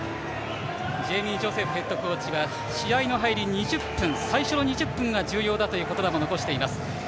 ジェイミー・ジョセフヘッドコーチは試合の入り、最初の２０分が重要だという言葉も残しています。